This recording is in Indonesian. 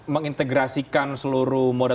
mengintegrasikan seluruh moda